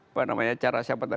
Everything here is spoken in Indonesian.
apa namanya cara siapa tadi